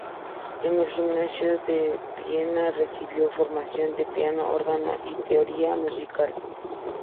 En el Gymnasium de Viena recibió formación en piano, órgano y teoría musical.